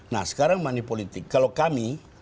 nah sekarang money politik kalau kami